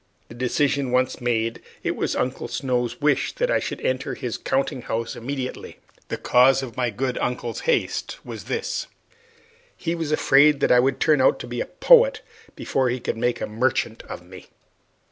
The decision once made, it was Uncle Snow's wish that I should enter his counting house immediately. The cause of my good uncle's haste was this he was afraid that I would turn out to be a poet before he could make a merchant of me.